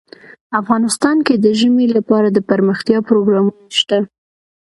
افغانستان کې د ژمی لپاره دپرمختیا پروګرامونه شته.